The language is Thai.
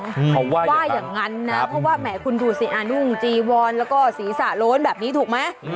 เขาว่าอย่างนั้นนะเพราะว่าแหมคุณดูสินุ่งจีวอนแล้วก็ศีรษะโล้นแบบนี้ถูกไหม